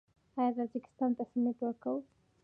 آیا تاجکستان ته سمنټ ورکوو؟